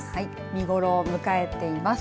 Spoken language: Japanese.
見頃を迎えています。